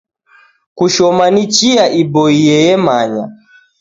Kushoma ni chia iboiye yemanya.